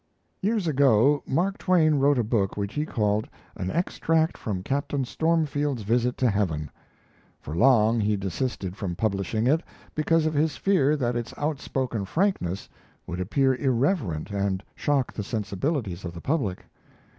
Years ago, Mark Twain wrote a book which he called 'An Extract from Captain Stormfield's Visit to Heaven'. For long he desisted from publishing it because of his fear that its outspoken frankness would appear irreverent and shock the sensibilities of the public.